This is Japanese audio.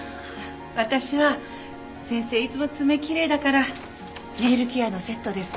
私は先生いつも爪きれいだからネイルケアのセットです。